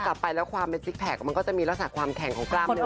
กลับไปแล้วความเป็นซิกแพคมันก็จะมีลักษณะความแข็งของกล้ามเนื้อ